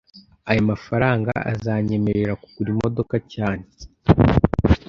Aya mafranga azanyemerera kugura imodoka cyane